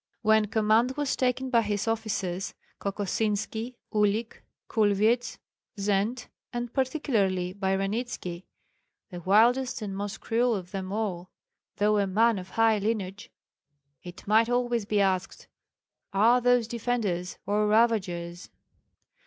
When command was taken by his officers, Kokosinski, Uhlik, Kulvyets, Zend, and particularly by Ranitski, the wildest and most cruel of them all, though a man of high lineage, it might always be asked, Are those defenders or ravagers?